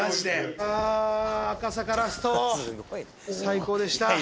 あぁ赤坂ラスト最高でした。